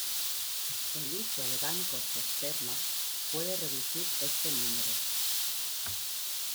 El uso de bancos de esperma puede reducir este número.